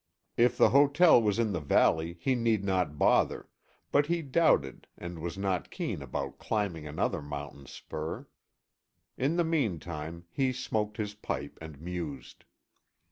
If the hotel was in the valley, he need not bother, but he doubted, and was not keen about climbing another mountain spur. In the meantime, he smoked his pipe and mused.